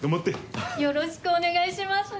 ははっ・よろしくお願いしますね。